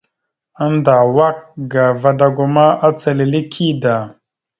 Annda awak ga vadago ma, acal ille kida.